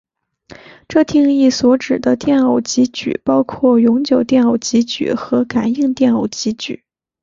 这定义所指的电偶极矩包括永久电偶极矩和感应电偶极矩。